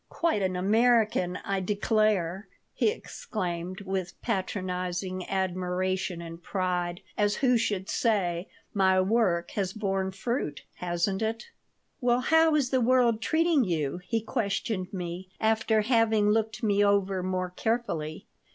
"Quite an American, I declare," he exclaimed, with patronizing admiration and pride, as who should say, "My work has borne fruit, hasn't it?" "Well, how is the world treating you?" he questioned me, after having looked me over more carefully.